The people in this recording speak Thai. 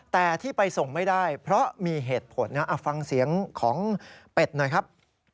แต่ที่ไปส่งไม่ได้เพราะมีเหตุผลนะฟังเสียงของเป็ดหน่อยครับ